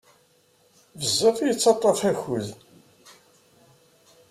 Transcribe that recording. Bezzaf yettaṭaf akud.